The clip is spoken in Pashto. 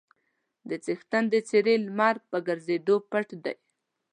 د څښتن د څېرې لمر په ګرځېدو پټ دی.